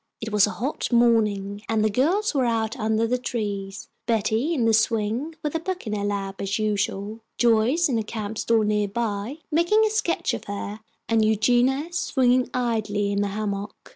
It was a hot morning, and the girls were out under the trees: Betty in the swing, with a book in her lap, as usual, Joyce on a camp stool near by, making a sketch of her, and Eugenia swinging idly in a hammock.